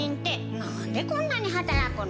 何でこんなに働くの？